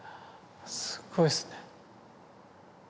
すごいですね。